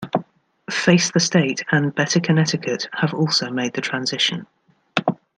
"Face the State" and "Better Connecticut" have also made the transition.